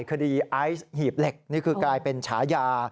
ไอซ์หีบเหล็กนี่คือกลายเป็นฉายา